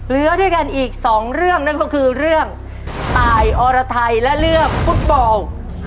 เหลือด้วยกันอีกสองเรื่องนั่นก็คือเรื่องตายอรไทยและเรื่องฟุตบอล